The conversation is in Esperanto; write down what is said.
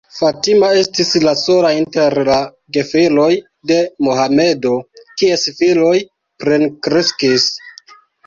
Fatima estis la sola inter la gefiloj de Mohamedo, kies filoj plenkreskis.